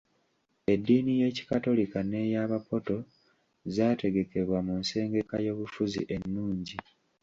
Eddiini y'ekikatolika n'eyabapoto zaategekebwa mu nsengeka y'obufuzi ennungi.